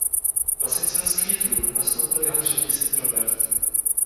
Na sicilský trůn nastoupil jeho třetí syn Robert.